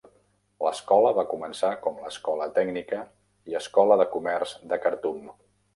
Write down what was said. L'escola va començar com l'Escola Tècnica i Escola de Comerç de Khartum.